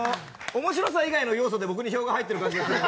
面白さ以外の要素で僕に票が入ってる感じが。